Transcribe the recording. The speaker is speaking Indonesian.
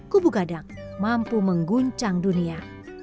kubu gadang mampu mengguncang dunia